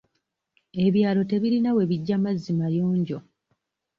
Ebyalo tebirina we bijja mazzi mayonjo.